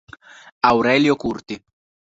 Aurelio Curti